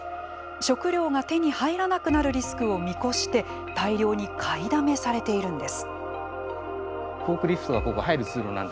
食料が手に入らなくなるリスクを見越して大量に買いだめされているのです。